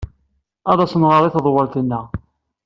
Ad as-nɣer i tḍewwalt-nneɣ.